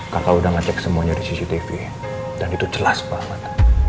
kakak udah ngecek semuanya di cctv dan itu jelas banget